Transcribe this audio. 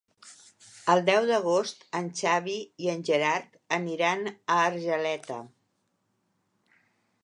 El deu d'agost en Xavi i en Gerard aniran a Argeleta.